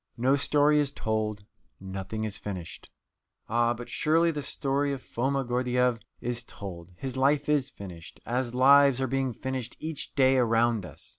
No story is told, nothing is finished. Ah, but surely the story of Foma Gordyeeff is told; his life is finished, as lives are being finished each day around us.